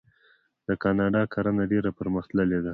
د کاناډا کرنه ډیره پرمختللې ده.